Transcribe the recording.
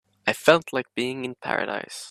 I felt like being in paradise.